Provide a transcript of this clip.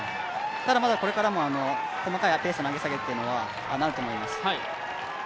ただまだこれからも細かいペースの上げ下げというのになると思います。